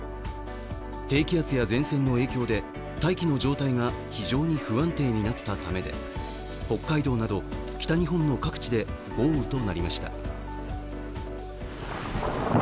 低気圧や前線の影響で、大気の状態が非常に不安定になったためで北海道など北日本の各地で豪雨となりました。